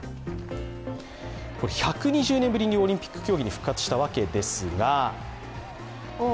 これ、１２０年ぶりにオリンピック競技に復活したわけですが。